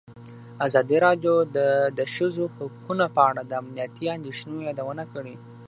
ازادي راډیو د د ښځو حقونه په اړه د امنیتي اندېښنو یادونه کړې.